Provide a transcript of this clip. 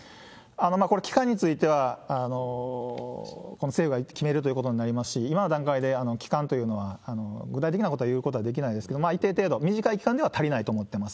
これ、期間については政府が決めるということになりますし、今の段階で期間というのは具体的なことを言うことはできないんですけれども、一定程度、短い期間では足りないと思ってます。